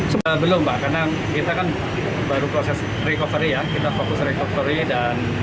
sebenarnya belum mbak karena kita kan baru proses recovery ya kita fokus recovery dan